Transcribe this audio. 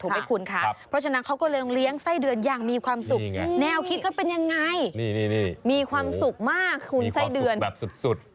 มีความสุขมากคุณไส้เดือนมีความสุขแบบสุด